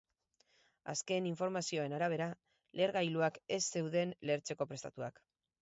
Azkenengo informazioen arabera, lehergailuak ez zeuden lehertzeko prestatuak.